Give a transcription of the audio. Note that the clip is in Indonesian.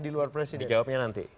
di luar presiden dijawabnya nanti